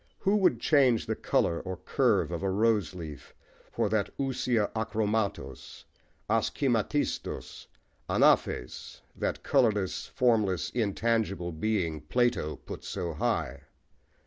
Who would change the colour or curve of a rose leaf for that ousia akhrômatos, askhêmatistos, anaphês+ that colourless, formless, intangible, being Plato put so high?